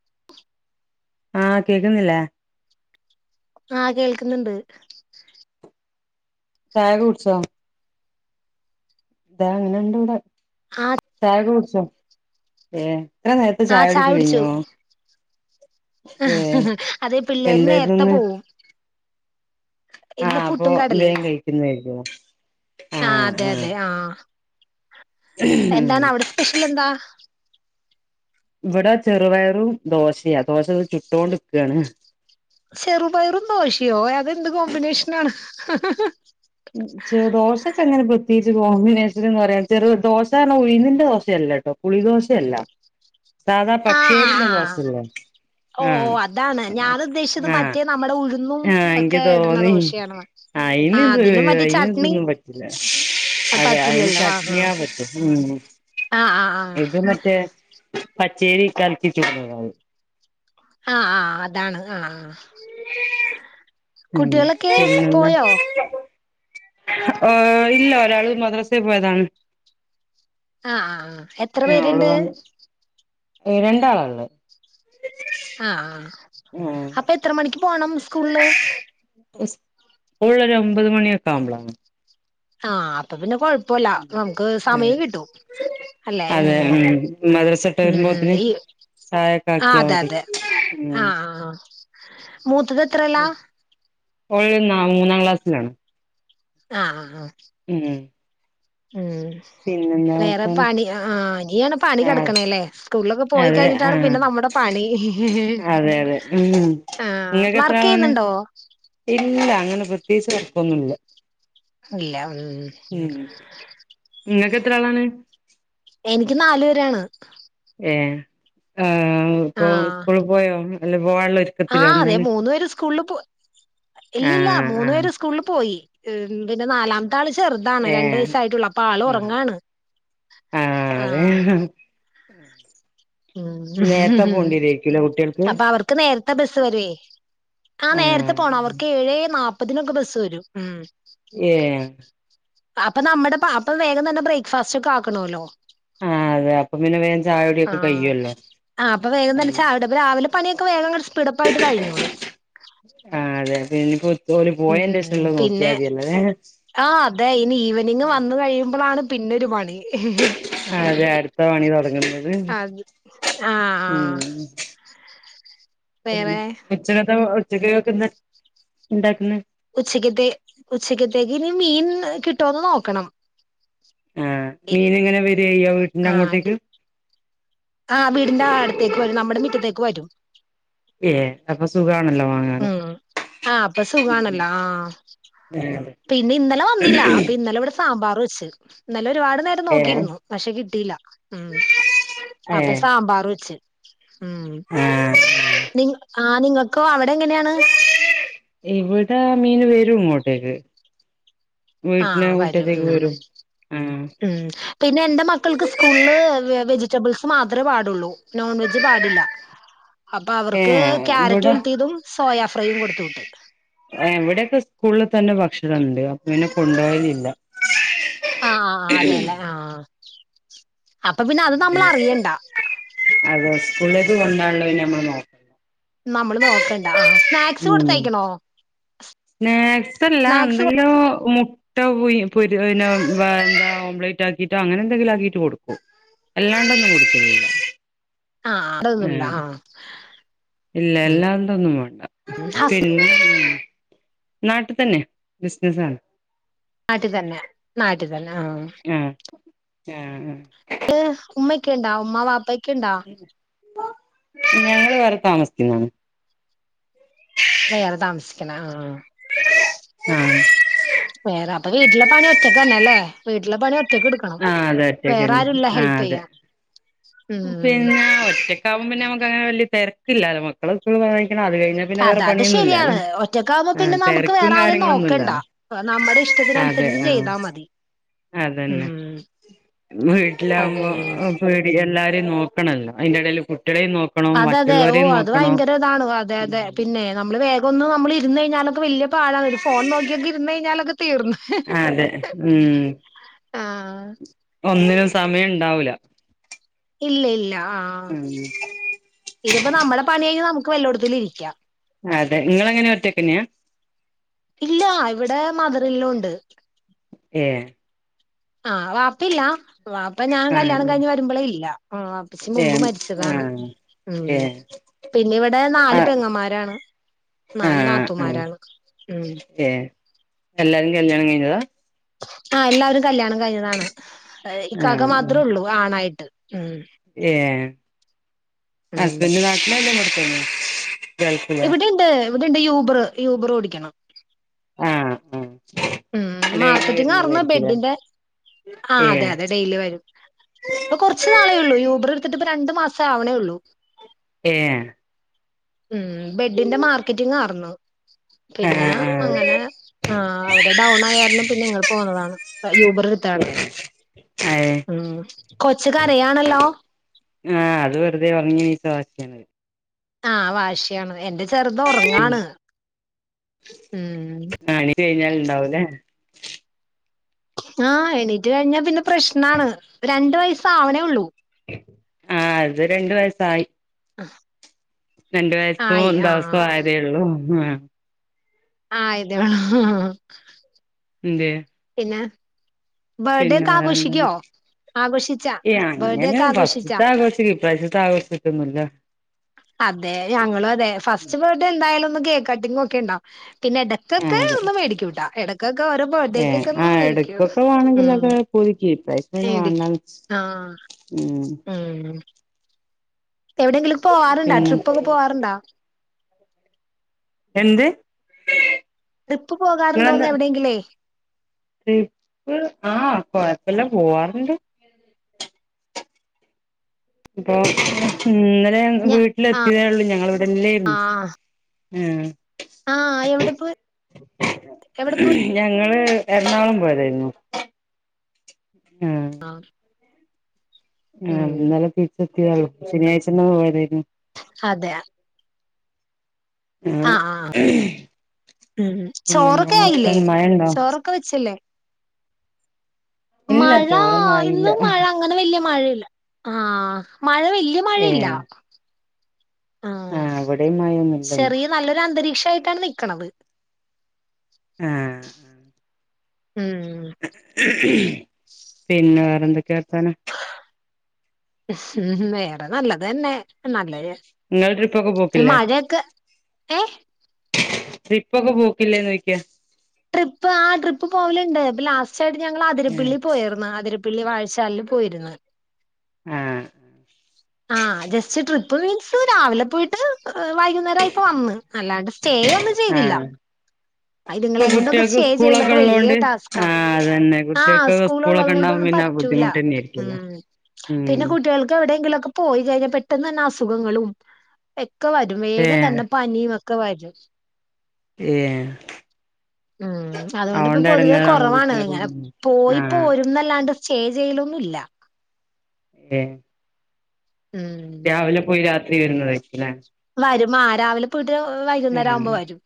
[inaudible] ആഹ് കേക്ക്ന്നില്ലേ ആഹ് കേൾക്ക്ന്ന്ണ്ട് ചായകുടിചോ ഇന്ന് എന്റെ കൂടെ ഹാദ് ചായക്കെ കുടിച്ചോ ഏ ഇത്ര നേരത്തെ ചായ ആഹ് കുടിയൊക്കെ കുടിച്ചു കഴിഞ്ഞോ ഏ അതെ പിള്ളേര് എന്തായിരുന്നു നേരത്തെ ഇന്ന് പോവും ആഹ് ഇന്ന് അപ്പൊ പുട്ടും വേ കടലേം കഴിക്കുന്നായിരിക്കുന്നുല്ലേ ആഹ് അതെ അതെ ആഹ് എന്താണ് അവിടെ സ്പെഷ്യൽന്താ ഇവടെ ചെറുപയറും ദോശയാ ദോശ ചുട്ടൊണ്ട്ക്കാണ് ചെറുപയറും ദോശയോ അതെന്ത് കോമ്പിനേഷനാണ് ദോശക്കെങ്ങനെ പ്ര പ്രത്യേകിച്ച് കോമ്പിനേഷൻ എന്ന് പറയാം ചെറു ദോശയാണ് ഉഴുന്നിന്റെ ദോശയല്ല ട്ടോ പുളി ദോശയല്ല സാധാ പച്ചേരില്ല ദോശല്ലേ ഓ ഓ ആഹ് അതാണ് ഞാൻ ഉദ്ദേശിച്ചത് ആഹ് മറ്റേ നമ്മുടെ ഉഴുന്നുംക്കെ ഇട്ണ ദോശണ്ന്ന ആഹ് ഇന്ന് ഇത് അയിന് ഇതൊന്നും പറ്റില്ല അതെ അതിന് പറ്റില്ലല്ലോ ആഹ് ചട്നിയ പറ്റും ഉം ആഹ് ആഹ് ആഹ് ആഹ് ഇത് മറ്റേ പച്ചേരി ഇട്ട് അലക്കി ചുടുന്നതാവു ആഹ് ആഹ് അതാണ് ആഹ് ആഹ് ഉം കുട്ടികളൊക്കെ പിന്നെന്ത പോയോ ഓ ഇല്ല ഒരാള് മദ്രാസൽ പോയതാണ് ആഹ് ആഹ് ആഹ് ആഹ് ഓള് വന്ന് രണ്ടാളള്ള ആഹ് ആഹ് ആഹ് ഉം അപ്പൊ എത്ര മണിക്ക് പോണം സ്കൂളില് സ്കൂൾ രു ഒമ്പത് മണിയൊക്കെ ആവുമ്പോള ആഹ് അപ്പൊ പിന്നെ കൊഴപ്പല്ല നമുക്ക് അതെ സമയം കിട്ടൂ അല്ലെ ഉം മദ്രസ വിട്ട് ഉം വരുമ്പോത്തിന് ഈ ചായൊക്കെ ആഹ് ആക്കിയാ അതെ മതി അതെ ഉം ആഹ് മൂത്തത് എത്രലാ ഓൾ മൂന്നാം ക്ലാസ്സിലാണ് ആഹ് ആഹ് ആഹ് ഉം ഉം പിന്നിന്ന് വേറെ പണി ആഹ് ഹാ ഇനിയാണ് പണി ആഹ് കെടക്ക്ണല്ലേ സ്കൂളിലൊക്കെ പോയി അതെ കഴിഞ്ഞിട്ടാണ് ആഹ് പിന്നെ നമ്മുടെ പണി അതെ അതെ ഉം ആഹ് ഇങ്ങക്ക് എത്ര വർക്ക് ആളാണ് ചെയ്യുന്നുണ്ടോ ഇല്ല അങ്ങനെ പ്രത്യേകിച്ച് വർക്കൊന്നുല്ല ഇല്ല ഉം ഉം നിങ്ങക്ക് എത്ര ആളാണ് എനിക്ക് നാലു പേരാണ് ഏഹ് ആഹ് ഇപ്പൊ ആഹ് സ്കൂളിൽ പോയോ അല്ല പോവാള്ള ഒരു ആഹ് അതെ മൂന്നു പേര് സ്കൂളിൽ പോ ഇല്ല്യല്ല ആഹ് മൂന്നു ആഹ് പേര് സ്കൂളിൽ പോയി ഉം പിന്നെ നാലാം ത്തെ ആൾ ചെറുതാണ് രണ്ടു ഏഹ് വയസായിട്ടുള്ളൂ ആള് ആഹ് ഒറങ്ങാണ് ആഹ് നേരത്തെ പോണ്ടിരേര്ക്കു ല്ലേ കുട്ടികൾക്ക് ക്ക് നേരത്തെ ബസ് വരുവേ ആഹ് നേരത്തെ പോണം അവർക്ക് ഏഴേ നാ അപ്പതിനൊക്കെ ബസ്സ് വരും ഉം ഏഹ് അപ്പൊ നമ്മടെ പാപ്പെം വേഗം തന്നെ ബ്രേക്ക്ഫാസ്റ്റ്ക്കെ ആക്കണോല്ലോ ആഹ് അതെ അപ്പൊ പിന്നെ വേ ആ ചായകുടിയൊക്കെ കഴിയുല്ലോ ആ അപ്പൊ വേഗം തന്നെ ചായ രാവിലെ പണിയൊക്കെ വേഗങ്ങട് സ്പീഡപ്പായിട്ട് കഴിഞ്ഞോളൂ ആഹ് അതെ പിന്നിപ്പോ ഉം പിന്നെ ആഹ് അതെ ഇനി ഈവനിങ് വന്ന് കഴിയുമ്പോളാണ് പിന്നൊരു പണി അതെ അടുത്ത പണി തൊടങ്ങുന്നത് അത് ആ ആ ഉം [inaudible] പിന്നെ വേറെ ഉച്ചക്കത് ഉച്ചക്കെക് എന്ത ഉണ്ടാക്കുന്നേ ഉച്ചക്ക് ത്തേ ഉച്ചക്കത്തേക്ക് ഇനി മീൻ കിട്ടോന്ന് നോക്കണം ആഹ് മീന്ങ്ങനെ വെരേയ്യാ വീട്ടിന്റെ അങ്ങോട്ടേക്ക്? ആഹ് വീടിൻന്റെ ആട്ത്തേക്ക് വരും നമ്മടെ മിറ്റത്തേക്ക് വരും. ഏഹ് അപ്പൊ സുഖാണല്ലോ വാങ്ങാന് ഉം ആഹ് അപ്പൊ സുഖാണല്ലോ ആഹ്. ഏഹ് പിന്നെന്നലെ വന്നില്ല, അപ്പൊ ഇന്നലെ ഇവടെ സാമ്പാറു വെച്ച് ഇന്നലെ ഒരുപാട് നേരം ഏഹ് നോക്കിയിരുന്നൂ പക്ഷെ കിട്ടീല്ല ഉം. അപ്പൊ ഏഹ് സാമ്പാർ വെച്ച് ഉം, ആഹ് നിങ്ങ ആഹ് നിങ്ങക്ക് അവടെ എങ്ങനേണ്? ഇവടെ മീൻ വെരും, ഇങ്ങോട്ടേക്ക്. ആ വീട്ടിൻ്റെ വരും മുറ്റത്തേക്ക് ഉം വെരും, ആഹ്. ഉം പിന്നെന്റെ മക്കൾക്ക് സ്കൂളില് വെജിറ്റബിൾസ് മാത്രേ പാടുള്ളൂ. നോൺവെജ് പാടില്ല. അപ്പൊ അവർക്ക് ഏഹ് ക്യാരറ്റ് ഇവിടെ ഒലത്തീതും സോയാ ഫ്രൈയും കൊടുത്ത് വിട്ട്. ഏഹ് ഇവെടെക്കെ സ്കൂള്ല് തന്നെ ഭക്ഷണണ്ട് അപ്പൊ പിന്നെ കൊണ്ടോവലില്ല. ആഹ് അതേല്ലേ ആഹ് അപ്പൊ പിന്നെ അത് നമ്മള് ഉം അറിയണ്ട. അതെ സ്കുളേക്ക് കൊണ്ടാേവാള്ള പിന്നെ ഞമ്മള് നമ്മള് നോക്ക് ഉം സ്നാക്സെല്ല സ്നാക്സ് എന്തെങ്കിലു മു മുട്ട [unintelligible] ഓംലെറ്റ് ആക്കിട്ടോ അങ്ങനെന്തെങ്കിലു ആക്കിട്ട് കൊടുക്കും. അല്ലാണ്ടൊന്നു കൊട്ക്കലില്ല. ആഹ് അതൊന്നുല്ല ആഹ്. ഇല്ല എല്ലാണ്ടൊന്നും വേണ്ട, ഹസ് പിന്നെ നാട്ടി തന്നെ ബിസ്നസാണ്. നാട്ടി തന്നെ, നാട്ടി തന്നെ ആഹ്. ആഹ് ആഹ് ആഹ്. ഉമ്മേക്കേണ്ടാ ഉമ്മ വാപ്പേക്കെണ്ടാ ഞങ്ങള് വേറെ താമസ്ക്ക്ന്നാണ് [inaudible] വേറെ താമസ്ക്ക്ണാ ആഹ് ആഹ് വേറെ അപ്പൊ വീട്ട്ലെ പണി ഒറ്റക്കെന്നെ ലേ വീട്ടില് പണി ഒറ്റ ഒറ്റക്കെട്ക്കണം ആഹ് അതെ ഒറ്റക്കന്നെ വേറാരുംല്ല ആഹ് അതെ ഹെൽപ്പെയ്യാൻ പിന്നെ ഒറ്റക്കാവുമ്പ ഞമ്മക്കങ്ങനെ വല്ല്യ തെരക്കില്ലാലോ നമ്മക്ക് മക്കളെ സ്കൂള് പറഞ്ഞയിക്കണം അത് കഴിഞ്ഞ പിന്നെ അത വേറെ അത് പണിയൊന്നുല്ലാലോ ശരിയാണ് ഒറ്റക്കാവുമ്പോ തെരക്കും കാര്യങ്ങളൊന്നുല്ലലോ നമ്മടെ ഇഷ്ടത്തിനന്സരിച്ച് ചെയ്താ മതി അതന്നെ ഉം അതെ വീട്ടിലാവ്മ്പോ ഉം വീട്ട് ല് എല്ലാവരേം നോക്കണല്ലോ അയിന്റെ എടേല് കുട്ട്യേളിം നോക്ക അതതേ ഓ അത് ഭയങ്കര ഇതാണ് അതെ അതെ പിന്നെ നമ്മള് വേഗൊന്ന് നമ്മള് ഇരുന്ന് കഴിഞ്ഞാലൊക്കെ വല്ല്യ പാടാണ് അവരിക്ക് ഫോൺ നോക്കിയൊക്കെ ഇരുന്ന് കഴിഞ്ഞാലൊക്കെ തീർന്ന് അതെ ഉം ആഹ് ഒന്നിനും സമയണ്ടാവൂല ഇല്ല ഇല്ല ആഹ് ഉം ഇതിപ്പോ നമ്മളെ പണികഴിഞ്ഞ് നമ്മക്ക് വെല്ലോട്ത്തിലും ഇരിക്കാം അതെ ഇങ്ങളെങ്ങനാ ഒറ്റക്കെന്ന്യാ ഇല്ല ഇവടെ മദറിലോ ഉണ്ട് ഏഹ് ആഹ് വാപ്പില്ല വാപ്പ ഞാൻ കല്യാണം ആഹ് കഴിഞ്ഞ് വരുമ്പോളേ ഇല്ല ആഹ് ഉപ്പച്ചി മുമ്പ് ഏഹ് മരിച്ചതാണ് ആഹ് ഉം ഏഹ് പിന്നെവ്ടെ നാല് ആഹ് പെങ്ങമാരാണ് നാല് ആഹ് ആഹ് നാത്തൂമാരാണ് ഉം ഏഹ് എല്ലാരും കല്യാണം കഴ്ഞ്ഞതാ ആഹ് എല്ലാവരും കല്യാണം കഴ്ഞ്ഞതാണ് ഈ കാക്ക ആഹ് ആഹ് മാത്രോള്ളൂ ആണായിട്ട് ഉം ഏഹ് ഉം ഹസ്ബെൻഡ് നാട്ട്ലാ എല്ലേ ഇബടെതന്നേ ഇവിടെ ണ്ട് ഇവിടെണ്ട് യൂബർ യൂബർ ഓടിക്കണം ആഹ് ആഹ് ഉം അത് കഴിഞ്ഞ് മാർക്കറ്റിങ് ആർന്നു വരുന്നതായിരിക്കുംല്ലേ ബെഡിന്റെ ആ അതെ ഏഹ് അതെ ഡെയ്ലി വരും ഇപ്പൊ കൊറച്ചു നാളേ ആയുള്ളു യൂബർ എടുത്തിട്ട്പ്പൊ രണ്ട് മാസം ആവണേ ഉള്ളൂ ഏഹ് ഉം ബെഡിന്റെ മാർക്കറ്റിങ്ങ് ആർന്നു ആ പിന്നെ ആ അങ്ങനെ ആ അവിടെ ഡൗൺ ആയാർ ണം പിന്നെ ഇങ്ങ ട്പോന്നതാണ് യൂബർ എടുത്താണ് അയ് ഉ കൊച്ചുകരയാണല്ലോ ആഹ് അത് വെറുതെ ഉറങ്ങി എണീച്ചവാശിയാണ് ആഹ് വാശിയാണ് എന്റെ ചെറുത് ഉറങ്ങാണ് ഉം ആ എണീറ്റ് കഴിഞ്ഞാൽ ഉണ്ടാവുല്ലേ ആഹ് എണീറ്റ് കഴിഞ്ഞാ പിന്നെ പ്രശ്നമാണ് രണ്ട് വയസ്സ് ആവണേ ഉള്ളൂ ആ അത് രണ്ടു വയസായി ആഹ് രണ്ട് വയസ്സോ ആയി ഒരു ദിവസവും ആയതേ ഉള്ളൂ ആഹ് ആയ തേ ഉള്ളോ എന്തെ പിന്നെ ബർത്ത്ഡേ പിന്നെ ഒക്കെ വേറെന്താണ് ആഘോഷിക്കോ ആഘോഷിച്ചാ ബർത്ത്ഡേ അങ്ങനെ ഒക്കെ ആഘോഷിച്ചാ [unintelligible] ആഘോഷിക്കും ഇ പ്രാവശ്യത്തെ ആഘോഷിച്ചിട്ടൊന്നും ഇല്ല അതെ ഞങ്ങളും അതെ ഫസ്റ്റ് ബേർഡ് എന്തായാലും ഒന്ന് കേക്ക് കട്ടിങ്ങും ഒക്കെ ഉണ്ടാവും പിന്നെ ആ കേക്കൊക്കെ അതെ ഒന്നു മേടിക്കൂട്ടാ ഇടക്കൊക്കെ ഓരോ ഏ ബെർത്തഡേക്ക് ഒക്കെ ആ ഒന്ന് മേടിക്കും ഇടക്കൊക്കെ ഉം വേണെങ്കിലൊക്കെ പുതുക്കി ഇപ്രാവശ്യം പിന്നെ മേടിക്കും വേണ്ടാന്ന് വെച്ച് ആഹ് ഉം എവിടെങ്കിലും പോവാറൂണ്ട പിന്നെ ട്രിപ്പൊക്കെ പോവാറുണ്ടോ എന്ത് ട്രിപ്പ് പോകാറുണ്ടോന്ന് നിങ്ങളെന്താ എവിടെങ്കിലേയ് ട്രിപ്പ് ആഹ് കൊഴപ്പല്ല പോവാറുണ്ട് അപ്പൊ ഇന്നലെ ഞ വീട്ടിലെ ട്ടിലെ ഉള്ളൂ ഞങ്ങള് ഇവിടെല്ലേയിരുന്നു ആഹ് ഉം ആഹ് എവിടെ പോയി എവിടെ പോയി ആ ഞങ്ങള് എറണാകുളം പോയതായിരുന്നു ആഹ് ആഹ് ആഹ് ഇന്നലെ തിരിച്ച് എത്തിയതെ ഒള്ളൂ ശനിയാഴ്ച എന്നാ പോയതായിരുന്നു അതെ ആഹ് ആഹ് ഉം ചോറൊക്കെ പിന്നെന്താണ് ആയില്ലേ വർത്താനം മഴണ്ടോ ചോറൊക്കെ വെച്ചില്ലേ ഇല്ല മഴ ചോറൊന്നും ആയില്ല ഇന്നും മഴ അങ്ങനെ വല്യ മഴയില്ല ആ മഴ വല്യ മഴയില്ല ഏഹ് ആഹ് ഇവിടേ മഴ ഒന്നുല്ലെന്ന് ചെറിയ നല്ലൊരു അന്തരീക്ഷ ആയിട്ടാണ് നിൽക്കണത് ആഹ് ആഹ് ഉം പിന്നെ വേറെന്തൊക്കെയാ വർത്താനം വേറെ നല്ലത് തന്നെ നല്ലത് ഇങ്ങള് ട്രിപ്പൊക്കെ പോക്കില്ലേ മഴയൊക്കെ ഏ ട്രിപ്പൊക്കെ പോക്കില്ലേന്ന് ചോയ്ക്ക ട്രിപ്പ് ആഹ് ട്രിപ്പ് പോവലുണ്ട് ഇപ്പൊ ലാസ്റ്റ ആയിട്ട് ഞങ്ങൾ ആഹ് ആതിരപ്പള്ളി പോയരുന്നു ആതിര പള്ളി വാഴ്ചാലിൽ പോയിരുന്നു ആഹ് ആഹ് ജസ്റ്റ് ട്രിപ്പ് മീൻസ് രാവിലെ പോയിട്ട് ഏഹ് വൈകുന്നേരം ആയപ്പൊ വന്ന് അല്ലാണ്ട് സ്റ്റേ ഒന്നും ചെയ്തില്ല ആഹ് ഇപ്പൊ ഇത്ങ്ങളെക്കൊണ്ടൊക്കെ കുട്ടികൾക്ക് സ്റ്റേ സ്കൂളൊക്കെ ചെയ്യലൊക്കെ വലിയ ഉള്ളോണ്ട് ടാസ്ക ആ അതന്നെ ആഹ് കുട്ടികൾക്ക് സ്കൂളുള്ളത് സ്കൂളൊക്കെ ഉണ്ടാവും കൊണ്ടൊന്നും പിന്നെ പറ്റ റ്റൂല ബുദ്ധിമുട്ട് തന്നെ ആയിരിക്കല്ലോ ഉം ഉം പിന്നെ കുട്ടികൾക്ക് എവിടെങ്കിലൊക്കെ പോയി കഴിഞ്ഞാ പെട്ടെന്ന് തന്നെ അസുഖങ്ങളും ഒക്കെ വരും ഏ വേഗം തന്നെ പനിയും ഒക്കെ വരും ഏഹ് ഉം അതുകൊണ്ട്പ്പോ പൊതുവെ എടങ്ങേറാവുന്നു കുറവാണ് ഇങ്ങനെ കുട്ടികളൊക്കെ ആഹ് പോയിപ്പോരും അല്ലാണ്ട് സ്റ്റേ ചെയ്യലൊന്നും ഇല്ല ഏഹ് ഉം രാവിലെ പോയി രാത്രി വരുന്നതായിരിക്കുല്ലേ വരും ആഹ് രാവിലെ പോയിട്ട് വൈകുന്നേരം ആഹ് ആവുമ്പോ വരും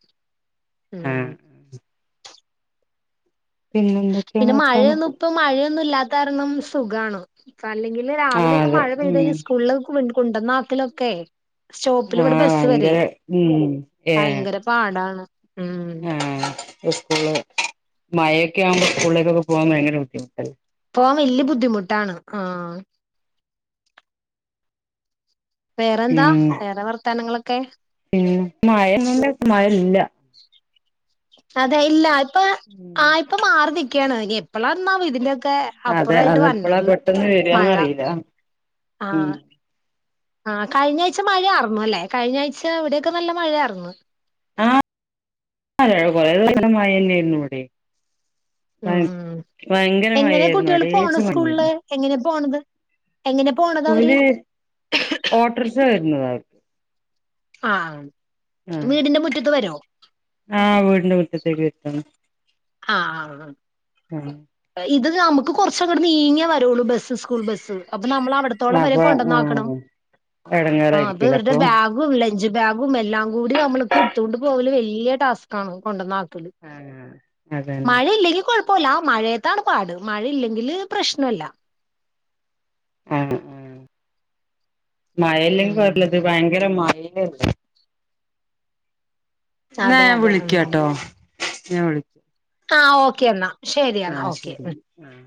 ഉം ആഹ് പിന്നെന്താ പിന്നെ മയൊന്നും ഇപ്പ മഴയൊന്നും ഇല്ലാത്ത കാരണം സുഖാണ് ഇപ്പ അല്ലെങ്കില് ആ രാവിലെ ഒക്കെ അതെ മഴ പെയ്ത് കഴിഞ ഉം സ്കൂളിലൊക്കെ കൊണ്ടന്ന ആക്കലൊക്കെ സ്റ്റോപ്പിൽ ഇവിടെ ആഹ് ബസ് വരെ ഭയങ്കര ഉം ഏ ഭയങ്കര പാടാണ് ഉം ആഹ് സ്കൂള് മഴയൊക്കെ ആവുമ്പോൾ സ്കൂളിലേക്കൊക്കെ പോകൻ ഭയങ്കര ബുദ്ധിമുട്ടല്ലേ പോവാൻ വലിയ ബുദ്ധിമുട്ടാണ് ആഹ് വേറെന്താ ഉം വേറെ വർത്താനങ്ങളൊക്കെ പിന്നെ മഴന്നും മഴ ഇല്ല അതെ ഇല്ല ഉം ആഹ് ഇപ്പ മാറി നിക്കയാണ് എപ്പളാന്നാവും ഇതിന്റെ ക്കെ അതെ അപ്പുറായിട്ട് അതെപ്പളാ വര്ന്നത് പെട്ടെന്ന് മഴ വരാന്നറിയില്ല ഉം ആഹ് ആഹ് കഴിഞ്ഞ ആഴ്ച്ച മഴ ആർന്നു അല്ലേ കഴിഞ്ഞ ആഴ്ച അവിടെയൊക്കെ നല്ല മഴ ആർന്നു ആഹ് ആഹ് കൊറേ ദിവസായിട്ട് മഴ തന്നെയായിരുന്നു ഇവിടെ ഭ ഉം ഭയങ്കര എങ്ങനെ മഴയായിരുന്നു കുട്ടികള് പോണ എടേച്ച് സ്കൂളില്? മഞ്ഞായിരുന്നു എങ്ങനെ പോണത് എങ്ങനെ പോണത് അവര്? ഓല് ഓട്ടോറക്ഷ വരുന്നതാണ് ആഹ് ആഹ് വീടിന്റെ മുറ്റത്ത് വരോ ആഹ് വീടിന്റെ മുറ്റത്തേക്ക് വരുന്നതാണ് ആഹ് ആഹ് ആഹ് ഇത് നമുക്ക് കുറച്ചങ്ങ് നീങ്ങേ വരുള്ളൂ ബസ്സ് സ്കൂൾ ബസ്സ് അപ്പൊ നമ്മൾ അവിടത്തോളം അപ്പൊ വരെകൊണ്ടുവന്നാക്കണം ആഹ് ആ അപ്പൊ ഇവരുടെ ബാ ഗും ലഞ്ച് ബാഗും എല്ലാം കൂടി നമ്മൾ എടുത്തുകൊണ്ട് പോകല് വലിയ ടാസ് കാണ് കൊണ്ടുവന്ന ആക്കല് ആഹ് അതന്നെ മഴയില്ലെങ്കിൽ കുഴപ്പമില്ല മഴയത്താണ് പാട് മഴയില്ലെങ്കില് പ്രശ്നല്ല ആഹ് ആഹ് മഴയില്ലെങ്കിൽ ഉം കൊഴപ്പില്ല ഇത് ഭയങ്കര മഴ ല്ലെ എന്നാ അതെ ഞാൻ അതെ ഉം വിളിക്കാട്ടോ ഞാൻ വിളിക്ക ആഹ് ഓക്കെ എന്നാ ശരി എന്നാ ആഹ് ഓക്കെ ശരി ഉം. ആഹ്